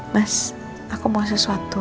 mas aku mau sesuatu